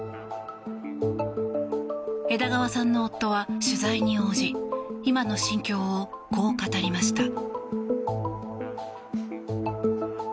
枝川さんの夫は取材に応じ今の心境をこう語りました。